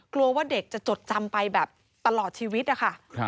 กลัวว่าเด็กจะจดจำไปแบบตลอดชีวิตนะคะ